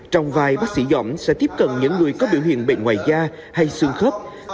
trong vai bác sĩ giọng sẽ tiếp cận những người có biểu hiện bệnh ngoài da hay xương khớp